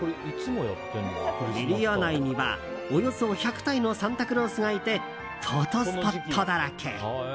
エリア内には、およそ１００体のサンタクロースがいてフォトスポットだらけ。